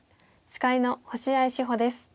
司会の星合志保です。